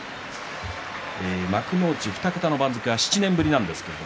幕内２桁の番付は７年ぶりです。